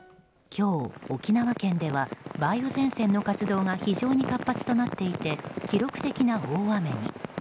今日、沖縄県では梅雨前線の活動が非常に活発となっていて記録的な大雨に。